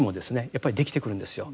やっぱりできてくるんですよ。